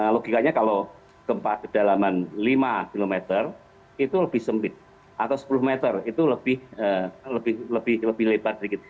logikanya kalau gempa kedalaman lima km itu lebih sempit atau sepuluh meter itu lebih lebar sedikit